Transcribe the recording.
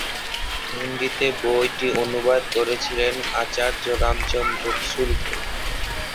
হিন্দিতে বইটি অনুবাদ করেছিলেন আচার্য রামচন্দ্র শুক্ল।